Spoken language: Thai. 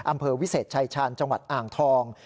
อำเภอวิเศษชายชาญจังหวัดอ่างทอง